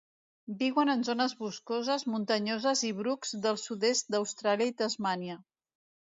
Viuen en zones boscoses, muntanyoses i brucs del sud-est d'Austràlia i Tasmània.